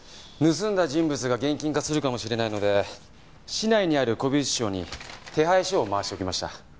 盗んだ人物が現金化するかもしれないので市内にある古美術商に手配書を回しておきました。